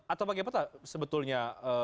atau bagaimana sebetulnya